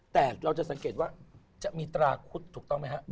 แต่เราจะสังเกตว่าจะมีตราคุดถูกต้องไหมฮะ